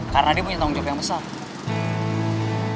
karena dia punya tanggung jawab yang besar